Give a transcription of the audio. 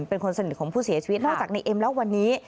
เป็นคนสนิทของผู้เสียชีวิตนอกจากในเอ็มแล้ววันนี้